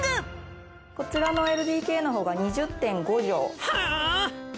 こちらのＬＤＫの方が２０．５畳。